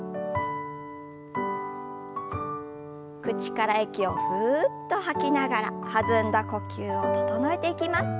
口から息をふっと吐きながら弾んだ呼吸を整えていきます。